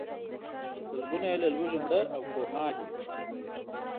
سلګونه یې له لوږې مړه او کوما دي.